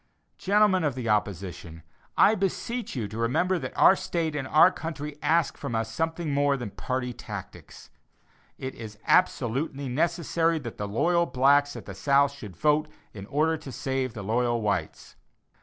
Gentlemen of the opposition, I beseech you to remember that our state and our country ask from us something more than party tactics. It is absolutely necessary that the loyal blacks at the South should vote in order to save the loyal whites.